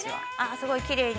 ◆すごいきれいに。